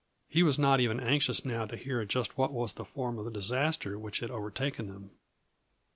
He was not even anxious now to hear just what was the form of the disaster which had overtaken them.